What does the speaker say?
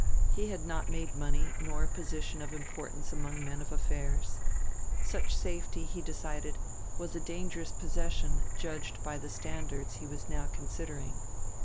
He had not made money nor a position of importance among men of affairs. Such safety, he decided, was a dangerous possession judged by the standards he was now considering.